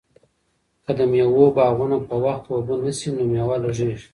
که د مېوو باغونه په وخت اوبه نشي نو مېوه لږیږي.